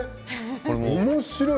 おもしろい。